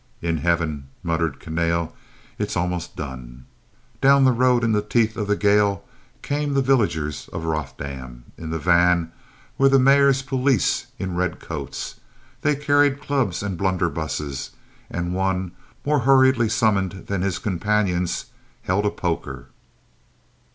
"In heaven," muttered Kahnale. "It is almost done." Down the road in the teeth of the gale came the villagers of Rothdam. In the van were the Mayor's police in red coats. They carried clubs and blunderbusses, and one, more hurriedly summoned than his companions, held a poker.